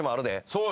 そう！